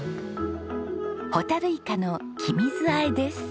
ホタルイカの黄身酢あえです。